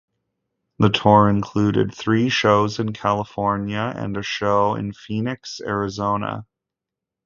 The tour included three shows in California and a show in Phoenix, Arizona.